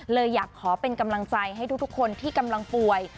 เลยอยากขอเป็นกำลังใจให้ทุกคนที่กำลังป่วย